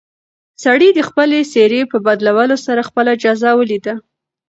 سړي د خپلې څېرې په بدلولو سره خپله جزا ولیده.